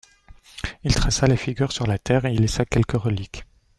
Il traça la figure sur la terre et y laissa quelques reliques.